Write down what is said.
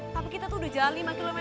tapi kita sudah jauh lima km